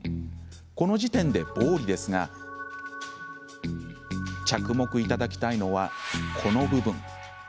この時点で暴利ですが着目いただきたいのは、この部分。